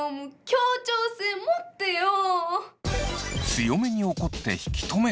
協調性持ってよ！